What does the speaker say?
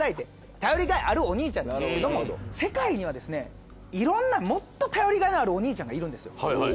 頼りがいあるお兄ちゃんなんですけど世界にはですねいろんなもっと頼りがいのあるお兄ちゃんがいるんですよ。